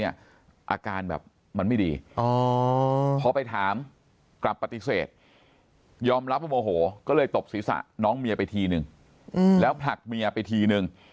อาการแบบมันไม่ดี